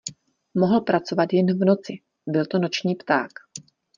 Mohl pracovat jen v noci, byl to noční pták.